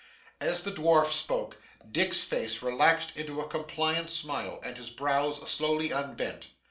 As the dwarf spoke, Dick's face relaxed into a compliant smile, and his brows slowly unbent.